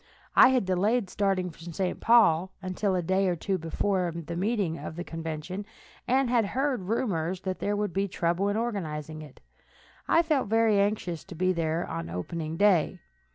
I had delayed starting for St. Paul until a day or two before the meeting of the convention, and having heard rumors that there would be trouble in organizing it, I felt very anxious to be there on the opening day.